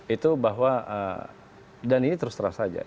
itu bahwa dan ini terus terang saja